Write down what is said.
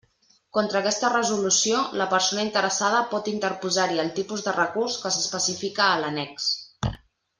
Contra aquesta resolució, la persona interessada pot interposar-hi el tipus de recurs que s'especifica a l'annex.